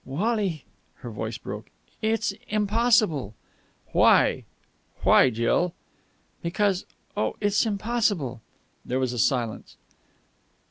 "Wally...." Her voice broke. "It's impossible." "Why? Why, Jill?" "Because.... Oh, it's impossible!" There was a silence.